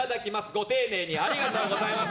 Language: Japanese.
ご丁寧にありがとうございます。